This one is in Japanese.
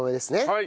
はい。